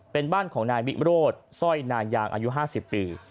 เป็นบ้านของนายวิโรธสร้อยนายางอายุ๕๐ปี